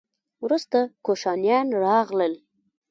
وروسته کوشانیان راغلل